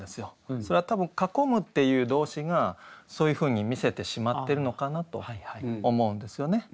それは多分「囲む」っていう動詞がそういうふうに見せてしまってるのかなと思うんですよね。